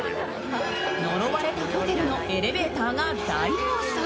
呪われたホテルのエレベーターが大暴走。